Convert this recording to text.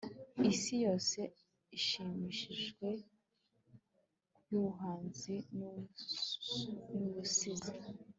isi yose ishimishije yubuhanzi nubusizi